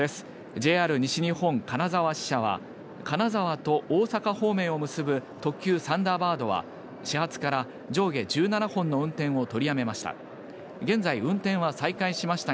ＪＲ西日本金沢支社は金沢と大阪方面を結ぶ特急サンダーバードは始発から上下１７本の運転を取りやめました。